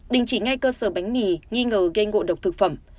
đình chỉ ngay cơ sở bánh mì nghi ngờ gây ngộ độc thực phẩm